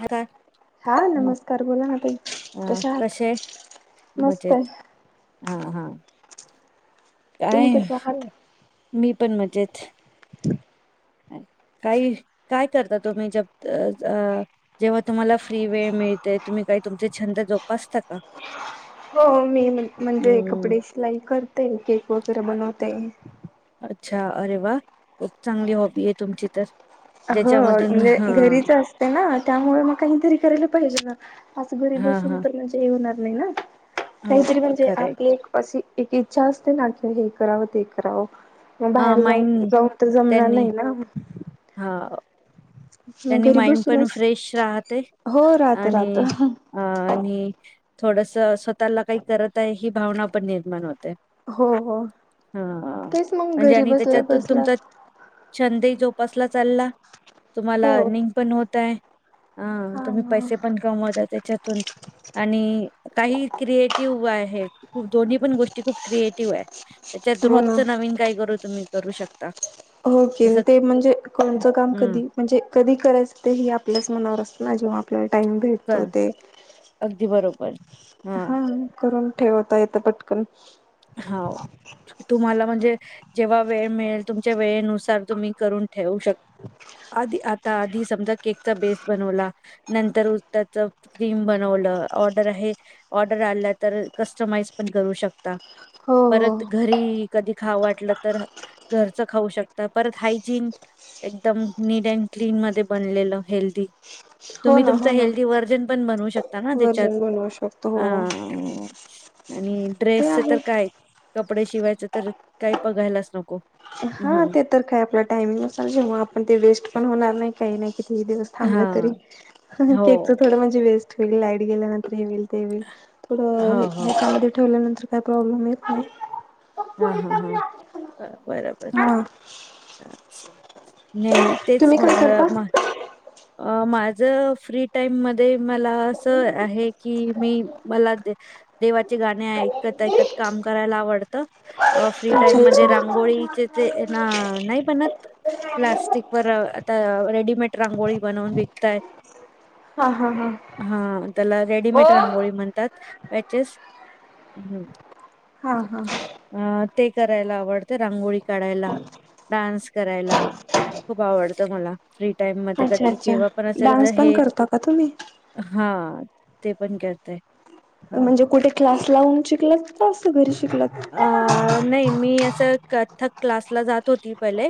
काय हा नमस्कार बोला ना ताई, अ कशा आहात? कसे मस्त हाय. हं हं. तुम्ही काय, कसे आहात? मीपण मजेत. ह अ. काही काय करता तुम्ही, जब जेव्हा तुम्हाला फ्री वेळ मिळते तुम्ही काही तुमचे छंद जोपासता का? हो, मी म्हणजे हम्म कपडे सिलाई करते. केक वगैरे बनवते. च्छा, अरे वा खूप चांगली हॉबी आहे तुमची तर. हो, ज्याच्यामधून म्हणजे हा घरीच असते ना, त्यामुळे मग काहीतरी करायला पाहिजे ना. असं घरी हा बसून हा तर म्हणजे हे होणार नाही ना. काहीतरी ह म्हणजे खरंय आपली एक अशी एक इच्छा असते ना, की हे करावं, ते करावं. मग हा बाहेर जाऊ माइंड जाऊन, तर जमणार त्यांनी नाही ना. हा मग त्यांनी घरी माइंड पण बसूनच फ्रेश राहते हो राहत राहत. आणि अ आणि थोडस स्वतःला काही करत आहे, ही भावनापण निर्माण होत हो हो हा तेच मग म्हणजे घरी आणि बसल्या त्याच्यातून बसल्या तुमचं छंदे जोपासला चालला, तुम्हाला हो अर्निंग पण होतंय. आ हा तुम्ही ना पैसे पण कमवता त्याच्यातून आणि काही क्रिएटिव्ह हाय दोन्ही पण गोष्टी खूप क्रिएटिव्ह त्याच्यात हो ना रोजच नवीन काय करू तुम्ही करू शकता होके जस ते म्हणजे कोणचं काम हम्म कधी म्हणजे कधी करायचं ते हे आपल्याच मनावर असत ना जेव्हा आपल्या टाइम भेटतो ते अगदी बरोबर हा करून ठेवता येतं पटकन हो तुम्हाला म्हणजे जेव्हा वेळ मिळेल तुमच्या वेळेनुसार तुम्ही करून ठेवू शक आधी आधी समजा केक बेस बनवला नंतर क्रीम बनवल ऑर्डर आहे हे ऑर्डर आला तर कस्टमाइज पण करू शकता हो परत हो घरी कधी खाव वाटलं तर घरचं खाऊ शकता परत हायजीन एकदम नीट अँड क्लीन मध्ये बनलेलं हेल्दी हो तुम्ही ना तुमच हो ना हेल्थी व्हर्जन पण बनवू शकता ना त्याच्यात वर्जन बनवू शकतो हा हो आणि ते ड्रेसच आहे तर काय कपडे शिवायच तर काही बघायलाच नको हा हम्म. ते तर काय आपला टाइमिंग असाल जेव्हा आपण ते वेस्ट पण होणार नाही काही नाही किती दिवस थांबलं तरी हां. हो. केकच थोड म्हणजे वेस्ट होईल लाईट गेल्यानंतर हे होईल थोड हो, हो. हच्यामध्ये ठेवल्यानंतर काय प्रॉब्लेम येत नाही मग पुढे का म बर, बर नाही तेच तुम्ही काय करता? म्हटलं माझ फ्री टाईम मधे मला असं आहे की मी मला देवा गाणी ऐकत, ऐकत काम करायला आवडत फ्री अच्छा टाइम मध्ये अच्छा. रांगोळीचे ते ना नाही बनत प्लास्टिक वर रेडीमेड रांगोळी बनवून विकताय हा हा हा त्याला रेडीमेड रांगोळी म्हणतात पॅचेस हू हा, हा ते करायला आवडते रांगोळी कढायला डान्स करायला खूप आवडतं मला फ्री टाइम मध्ये अच्छा कधी अच्छा जेव्हा पण असेल तर डान्स पण हे करता का तुम्ही? हा ते पण करतेय म्हणजे कुठे क्लास लावून शिकलात का असं घरी शिकलात? अ नाही मी असं कथ्थक क्लासला जात होती पहिले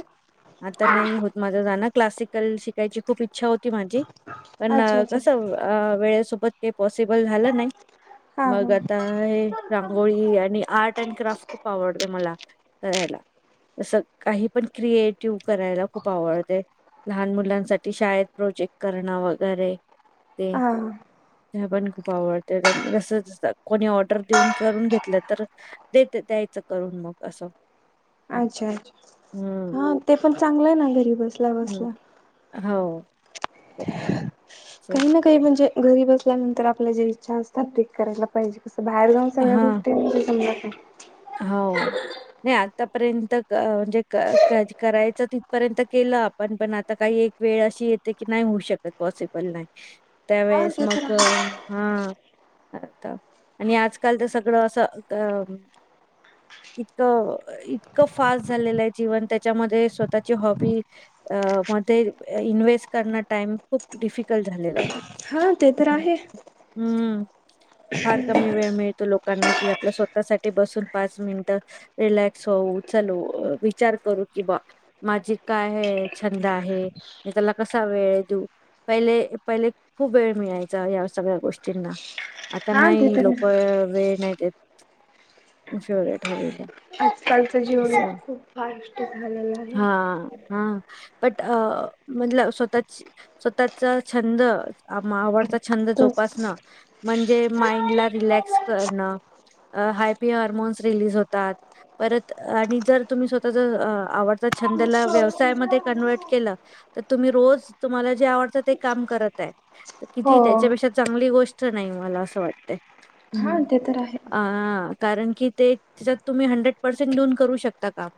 आता नाही होत माझे जाणे क्लासिकल शिकायची खूप इच्छा होती माझी पण अच्छा अच्छा कस वेळे सोबत पॉसिबल झालं नाही हा हा मग आता हे रांगोळी आणि आर्ट अँड खूप आवड मला करायला त काही पण क्रिटिव्ह करायला खूप आवडते लहान मुलांसाठी शाळेत प्रोजेक्ट करणं वगैरे ते हा आपण खूप आवडते जस कोणी ऑर्डर देऊन करून घेतलं तर देत द्यायचं करून मग असं हम्म अच्छा अच्छा हम्म हा ते पण चांगलं आहे ना घरी बसला बसला हम्म. [unintelligible] काही ना काही म्हणजे घरी बसल्यानंतर आपल्याला जे इच्छा असतात ते करायला पाहिजे कसं बाहेर जाऊन सगळ्या हा गोष्टी समजत नाही पर्यंत म्हणजे करायचं तिथपर्यंत केलं आपण पण आता काही एक वेळ अशी किती की नाही होऊ शकत पॉसिबल नाही हा त्यावेळेस ते तर मग आहे हा आता आणि आजकाल तर सगळं असं अ इतकं इतकं फास्ट झालेलं आहे जीवन त्याच्यामध्ये स्वतःची हॉबी अ मध्ये इन्व्हेस्ट करण टाइम खूप डिफिकल्ट झालेला आहे हा ते तर हम् आहे. हम्म फार कमी वेळ मिळतो लोकांना कि आपल्या स्वतःसाठी बसून पाच मिनट रिलक्स होऊन विचार करू की माझी काय छंद आहे मी त्याला कसा वेळ देऊ पहिले पहिले खूप वेळ मिळायचा या सगळ्या गोष्टींना आता हा ते नाही तर लोके वेळ नाहीत फेवरेट हवील आजकालचं जीवन खूप फास्ट झालेलं आहे हा हा बट म्हल स्वतः स्वतःचा छंद आवड छंद जोपासणं हो म्हणजे माइंडल रिलॅक्स करणे हाय अरमान रिलीज होतात परत आणि जर आवडता छंद छंद व्यवसायामध्ये कन्वर्ट केलं तर तुम्ही रोज तुम्हाला जे आवडत ते काम करत आहे किती त्याच्यापेक्षा चांगली गोष्ट नाही मला असं वाटते हा ते तर आहे. अॲ कारण की ते त्याच्यात तुम्ही हंड्रेड पर्सेंट लोन करू शकता का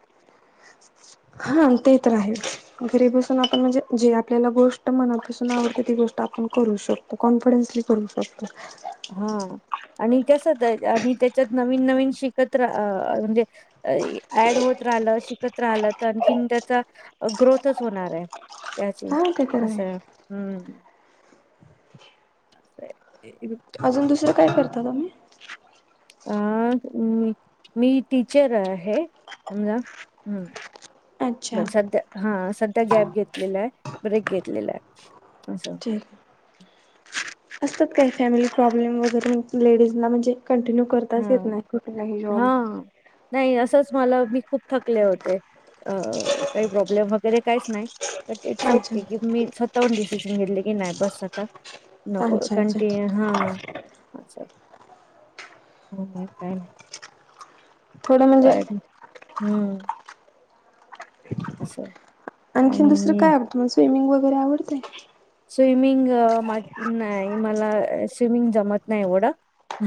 हा तेच राहील घरी बसून आपण म्हणजे जे आपल्याला गोष्ट मनापासून आवडते ती गोष्ट आप करू शकतो कॉन्फिडन्सली करू शकतो हा आणि कस आणि त्याच्यात नवीन नवीन शिकत्र म्हणजे ऍड होत शिकत राहिलं तर आणखी त्याचा ग्रोथच होणार आहे त्याची हा ते तर आहे असं हम्म अस अजून दुसरं काय करता तुम्ही अ मी टीचर आहे आमज हम अच्छा पण सध्या हा सध्या गॅप घेतलेला आहे ब्रेक घेतलेला आहे अच्छा ठीक आहे. असतात काय फॅमिली प्रॉब्लेम वगैरे लेडीजला म्हणजे कंटिन्यू करताच हा येत नाही कुठे काही हा जॉब नाही असंच मला मी खूप थकले होते अ काही प्रॉब्लेम वगैरे काहीच नाही बट इट्स ओके की अच्छा मी स्वतःहून डिसिजन घेतले की नाही बस आता अच्छा नटन अच्छा हा हो् काय नाही थोडं म्हणजे पण हम्म अचछा आणखीन दुसरं काय आवडतं मला स्विमिंग वगैरे आवडतेय स्विमिंग नाही मला स्विमिंग जमत नाही एवढं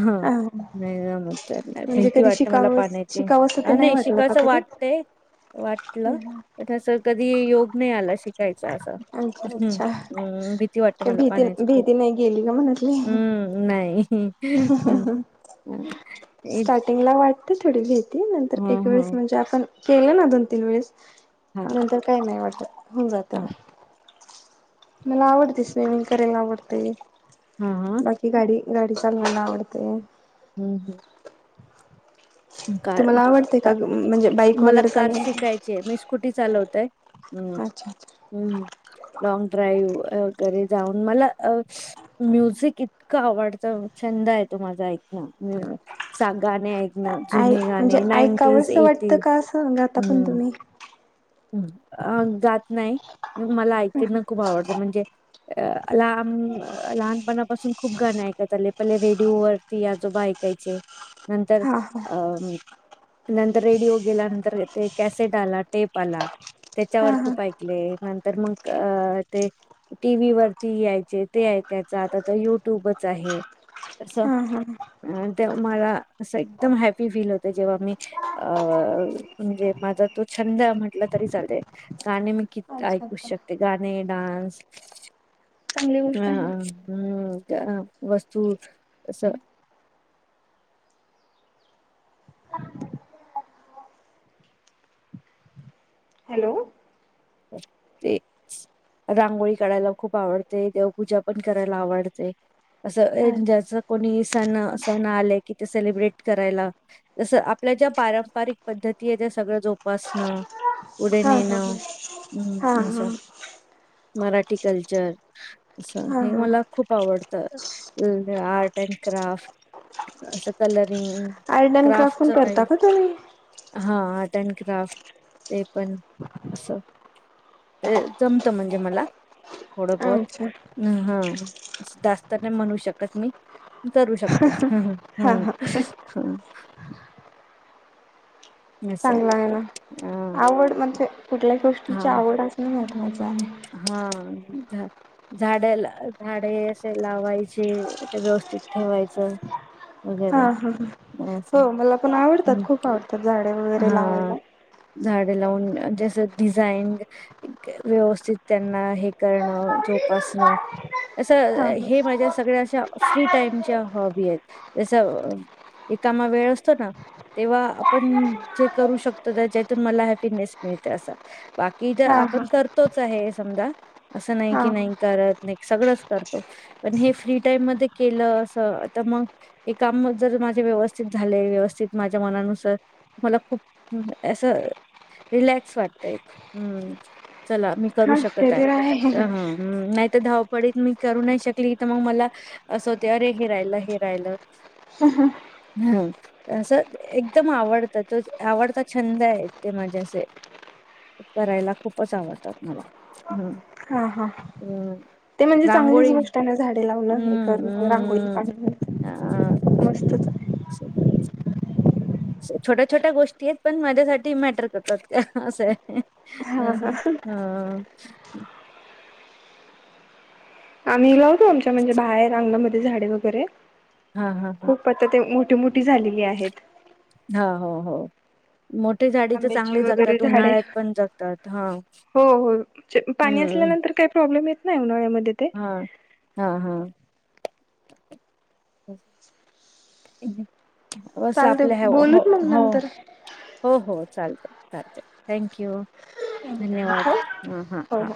ह हा नाही ना म नाही म्हणजे भहिती कधी वाटते मला शिकावस पाण्याची शिकावस ते नाही वाटलं का शिकायचं कधी? वाटतय वाटलं पस कधी योग नाही आला शिकायच असं अच्छा हम् अच्छा हम्म भीती वाटते ते मला भीती पाण्याची खूप भीती नाही गेली का मनातली हम्म नाही हम् हम् हम स्टार्टिंगला वाटते थोडी भेतती नंतर एक वेळेस म्हणजे आपण केलं ना दोन तीन वेळेस हा नंतर काही नाही वाटत होन जात हा [inaudible] मला आवडते स्विमिंग करायला आवडते हा हा बाकी गाडी गाडी चालवयला आवडते हम् हम् कार तुम्हाला आवडते का म्हणजे बाईक मला वगैरे कार चालवायला शिकायचे मी स्कुटी चालवते म ते हम्म अच्छा अच्छा हम्म लॉंग ड्राईव्ह वगैरे जाऊन मला म्युझिक इतकं आवडतं छंद आहे तो माझा ऐक सा गाने ऐ आय जुने म्हणजे गाणे नाईनटीज ऐकावंसं एटी वाटतं का असं गाता पण हम् तुम्ही जात नाही मला ऐकणं खूप आवडतं म्हणजे अ लहान लहानपणापासून खूप गाण ऐकत आले पहिले रेडिओवररती आजोबा ऐकायचे नंतर हा हा अ नंतर रेडिओ गेला नंतर ते कॅसेट आला टेप ला त्याच्यावर हा खूप ऐकले नंतर मग अ ते टी व्ही वरती यायचे ते आहे त्याचा आता तर युट्यूबच आहे असं हम् हम् अ ते मला अस एकदम हॅपी फील होत जेव्हा मी अ म्हणजे मझ तू छंद म्हट लं तरी चाल गाणे मी क अच्छा ऐकू अच्छा शकते गाणे डान्स चांगली हा गोष्ट आहे ना हम्म वस्तू हॅलो ते रांगोळी काढायला खूप आवडते देवपूजा पण करायला आवडते असं अच्छा ज्याच कोणी सण आले की ते सेलब्रेट करायला जस आपल्या ज्या पारंपरिक पद्धती सगळं जोपासणं पुढे हा हा नेणं ह हम्म असं मराठी कल्चर असं हा हे हा मला खूप आवडतं आर्ट अड क्राफ्ट अस कलर आर्ट अँड क्राफ्ट पण क करता तुम्ही? का आर्ट अँड क्राफ्ट ते पण असं जमत म्हणजे मला थोडं बत अच्छा ह जास्त नाही म्हणू शकत मी करू शकते हम्म हा हा हम् हम् चांगला आहे ना हा आवड म्हणजे कुठल्या हा गोष्टीची आवडच ना महत्वाच आहे हा झाड झाडे असे लावायचे ते व्यवस्थित ठेवायचं हा वगैरे हा असं हो मला पण हं. आवडतात खूप आवडतात झाडे वगैरे हा लावायला झाडे लावून जस डिझाईन व्यवस्थित त्यांना हे करणं प अस हा हा. हे म्हणजे सगळ्याश फ्री टाईमच्या हॉबी आहेत जस एक कामा वेळ असतो ना तेव्हा आपण जे करू शकतो ज्यातून मला हॅपीनेस मिळते अस बाकी हा आपण हा करतोच आहे समजा असं नाही हा की नाही करत नाही सग करतो पण हे फ्री टाईम म के अस मग काम माझ व्यवस्थित झाले व्यवस्थित माझ्या मनानुसार मला खूप असं रिलॅक्स वाटत एक हम् चला मी करू हा ते शकत आहे तर नाही तर धाव पडत मी करू नाही शकली तर मग मला असं होते अरे हे राहिलं हे राहिलं हा असं एकदम आवडत तर तो आवडता छंद आहे ते माझ्या असे करायला खूपच आवडतात मला हम् हा हा हम् ते म्हणजे चांगलीच रांगोळी गोष्ट आहे ना झा लावण हे हम्म करण रांगोळी हम्म पाणी मस्तच आहे ते छोट्या छोट्या गोष्टी आहेत पण माझ्यासाठी मॅटर करतात का असं अम ह हा आम्ही लावतो आमच्या म्हणजे बाहेर अंगणामध्ये झाडे वगैरे हा हा हा खूप पता ते मोठ मोठ मोठी झालेली आहेत हा हो हो मोठे झाडी तर आंब्याची चांगले वगैरे जगतात झाडे उन्हाळ्यात पण जगतात हा हो हो पाणी हम्म असल्यानंतर काही प्रॉब्लेम येत नाही उन्हाळ्यामध्ये ते हा हा हा बस चालते आपल्या ह हो बोलूत मग नंतर हो हो चालते चालत थँक यू धन्यवाद हो ह हा हो हा हो.